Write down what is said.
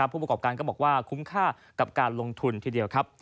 ผู้ประกอบการก็บอกว่าคุ้มค่ากับการลงทุนทีเดียวครับ